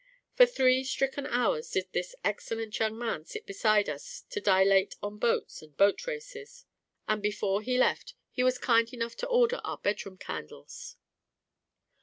For three stricken hours did this excellent young man sit beside us to dilate on boats and boat races; and before he left, he was kind enough to order our bedroom candles.